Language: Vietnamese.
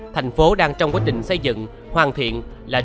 thành phố đang trong quá trình xây dựng hoàn thiện